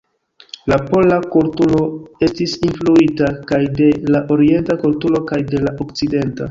La pola kulturo estis influita kaj de la orienta kulturo kaj de la okcidenta.